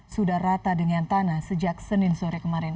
sudah rata dengan tanah sejak senin sore kemarin